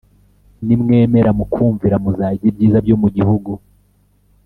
Nimwemera mukumvira muzarya ibyiza byo mu gihugu